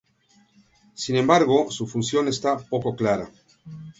Sin embargo, su función está poco clara.